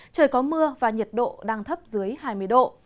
trời có mưa và nhiệt độ đang thấp dưới hai mươi độ